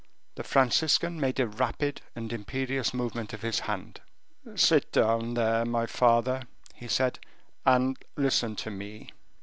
The Franciscan made a rapid and imperious movement of his hand. "Sit down, there, my father," he said, "and listen to me."